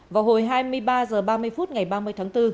vào hồi hai mươi ba h ba mươi phút ngày ba mươi tháng bốn